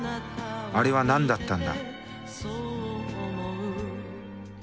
あれは何だったんだ